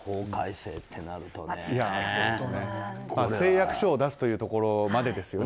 誓約書を出すというところまでですよね